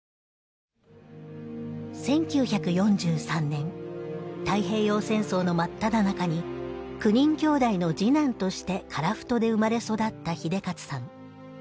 １９４３年太平洋戦争の真っただ中に９人きょうだいの次男として樺太で生まれ育った英捷さん。